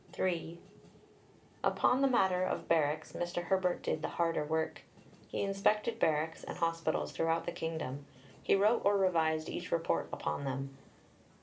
III Upon the matter of Barracks, Mr. Herbert did the harder work. He inspected barracks and hospitals throughout the Kingdom; he wrote or revised each report upon them.